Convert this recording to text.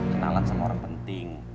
kenalan sama orang penting